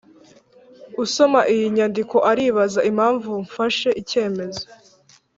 Usoma iyi nyandiko aribaza impamvu mfashe icyemezo